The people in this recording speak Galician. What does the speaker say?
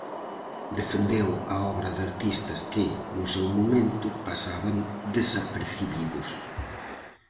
Defendeu a obra de artistas que, no seu momento, pasaban desapercibidos.